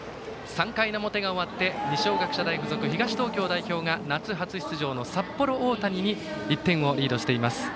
３回表が終わって二松学舎大付属東東京代表が夏初出場の札幌大谷に１点をリードしています。